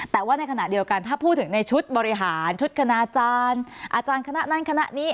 แต่ว่าในขณะเดียวกันถ้าพูดถึงในชุดบริหารชุดคณาจารย์อาจารย์คณะนั้นคณะนี้